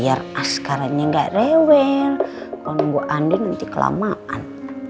biar askarannya enggak rewel kalau nunggu andi nanti kelamaan